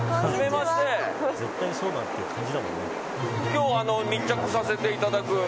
今日、密着させていただく。